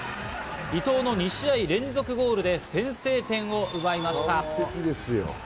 伊東の２試合連続ゴールで先制点を奪いました。